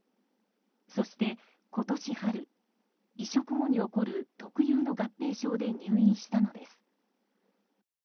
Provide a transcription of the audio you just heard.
そして、今年春移植後に起こる特有の合併症で入院したのです。